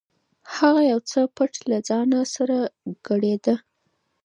هغه یو څه پټ له ځانه سره ګړېده.